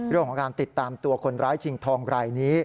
เรื่องของการติดตามตัวคนร้ายชิงทองรายนี้